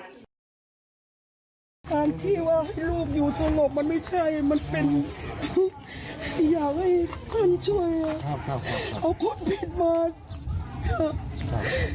การที่ว่าให้ลูกอยู่สงบมันไม่ใช่มันเป็นอยากให้พ่อนช่วย